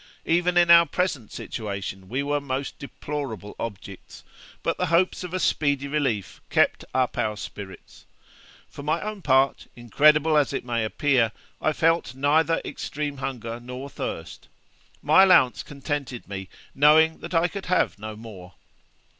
Even in our present situation, we were most deplorable objects, but the hopes of a speedy relief kept up our spirits. For my own part, incredible as it may appear, I felt neither extreme hunger nor thirst. My allowance contented me, knowing that I could have no more.'